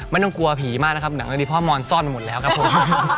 ไม่ต้องกลัวผีมากนะครับหนังเรื่องนี้พ่อมอนซ่อนมาหมดแล้วครับผม